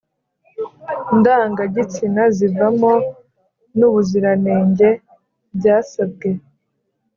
Ndangagitsina zivamo n,ubuziranenge byasabwe